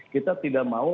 kita tidak mau